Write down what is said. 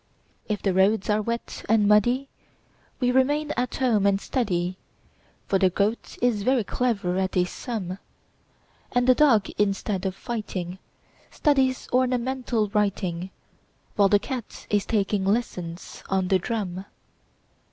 If the roads are wet and muddyWe remain at home and study,—For the Goat is very clever at a sum,—And the Dog, instead of fighting, Studies ornamental writing, While the Cat is taking lessons on the drum.